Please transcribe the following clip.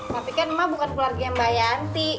tapi kan ma bukan keluarga mbak yanti